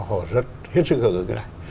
họ rất hết sức hợp ứng